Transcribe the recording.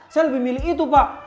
saya lebih milih itu pak